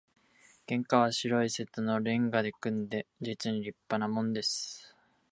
玄関は白い瀬戸の煉瓦で組んで、実に立派なもんです